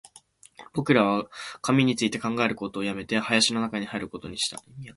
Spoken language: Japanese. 僕らは紙について考えることを止めて、林の中に入ることにした